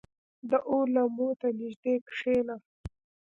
• د اور لمبو ته نږدې کښېنه.